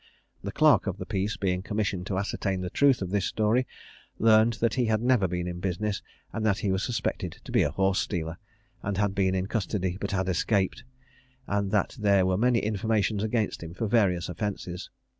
The clerk of the peace being commissioned to ascertain the truth of this story, learned that he had never been in business, and that he was suspected to be a horse stealer, and had been in custody but had escaped, and that there were many informations against him for various offences.